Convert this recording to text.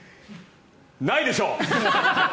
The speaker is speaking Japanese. ないでしょう！